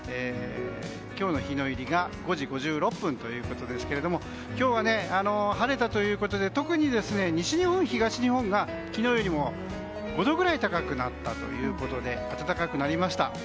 今日の日の入りが５時５６分ということですけど今日は晴れたということで特に西日本、東日本が昨日よりも５度ぐらい高くなったということで暖かくなりました。